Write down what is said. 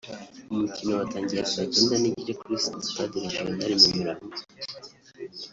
umukino watangiye saa cyenda n’igice kuri Stade Regional i Nyamirambo